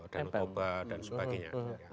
danutoba dan sebagainya